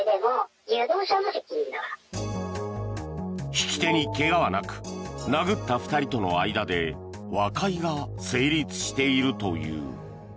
引き手に怪我はなく殴った２人との間で和解が成立しているという。